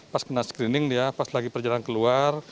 pas kena screening dia pas lagi perjalanan keluar